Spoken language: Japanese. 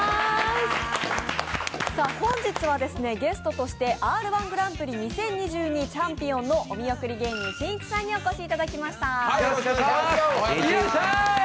本日は、ゲストとしてＲ−１ぐらんぷり２０２２チャンピオンのお見送り芸人しんいちさんにお越しいただきました。